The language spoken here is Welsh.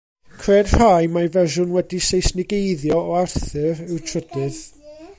Cred rhai mai fersiwn wedi'i Seisnigeiddio o Arthur yw'r trydydd.